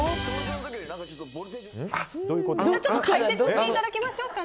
ちょっと解説していただきましょうか。